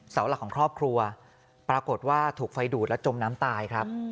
เสาหลักของครอบครัวปรากฏว่าถูกไฟดูดและจมน้ำตายครับ